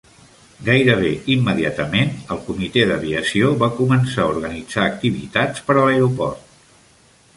Gairebé immediatament, el comitè d'aviació va començar a organitzar activitats per a l'aeroport.